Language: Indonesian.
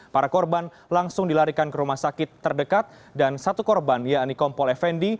para korban langsung dilarikan ke rumah sakit terdekat dan satu korban yakni kompol effendi